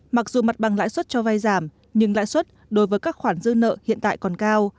mặc dù mặt bằng lãi suất cho vay giảm nhưng lãi suất đối với các khoản dư nợ hiện tại còn cao